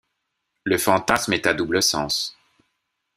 Le fantasme est à double sens.